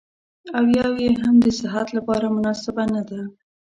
او يوه يې هم د صحت لپاره مناسبه نه ده.